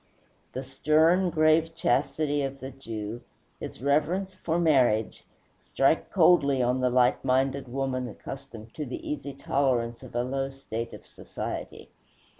The stern, grave chastity of the Jew, his reverence for marriage, strike coldly on the light minded woman accustomed to the easy tolerance of a low state of society.